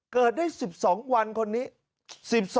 เกิดได้๑๒วันคนนี้